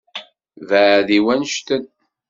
Beεεed i wannect-en.